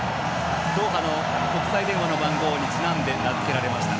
ドーハの国際電話の番号にちなんで名付けられました。